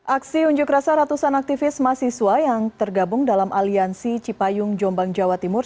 aksi unjuk rasa ratusan aktivis mahasiswa yang tergabung dalam aliansi cipayung jombang jawa timur